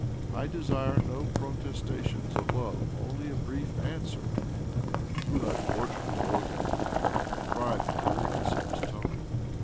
"■ I desire no protestations of love — only a brief answer." ' Do not torture me, Olga," he cried with weariness in his tone.